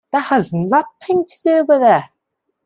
That has nothing to do with it!